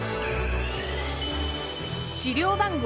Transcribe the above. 資料番号